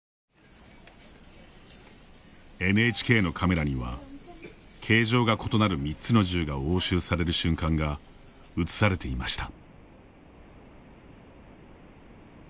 ＮＨＫのカメラには形状が異なる３つの銃が押収される瞬間が映されていました。